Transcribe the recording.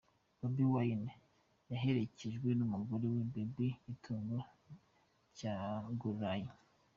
Bobi Wine yaherekejwe n’umugore we Barbie Itungo Kyagulanyi.